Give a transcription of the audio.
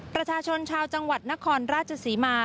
ประชาชนชาวจังหวัดนครราชศรีมา